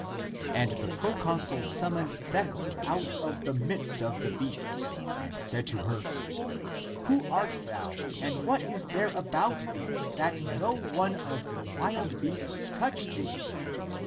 And the proconsul summoned Thecla out of the midst of the beasts, and said to her, " Who art thou? and what is there about thee, that no one of the wild beasts touch thee